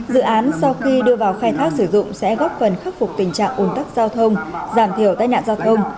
dự án sau khi đưa vào khai thác sử dụng sẽ góp phần khắc phục tình trạng ồn tắc giao thông giảm thiểu tai nạn giao thông